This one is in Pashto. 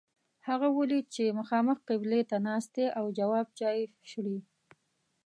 هغه ولید چې مخامخ قبلې ته ناست دی او جواب چای شړي.